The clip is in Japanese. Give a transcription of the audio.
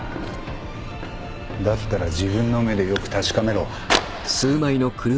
だったら自分の目でよく確かめろ。